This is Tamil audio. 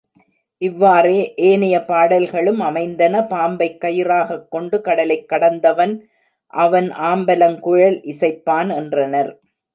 இவ்வாறே ஏனைய பாடல்களும் அமைந்தன பாம்பைக் கயிறாகக் கொண்டு கடலைக் கடந்தவன் அவன் ஆம்பலங்குழல் இசைப்பான் என்றனர்.